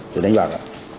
để đánh bạc ạ